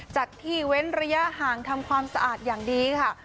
จัดที่เว้นระยะห่างทำความสะอาดอย่างดีค่ะ